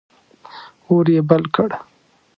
اور یې بل کړ.